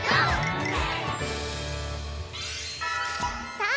さあ